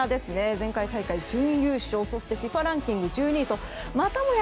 前回大会準優勝そしてＦＩＦＡランキング１２位とまたもや